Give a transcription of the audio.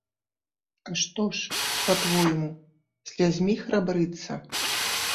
А што ж, па-твойму, слязьмі храбрыцца?